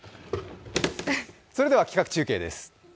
それでは企画中継です。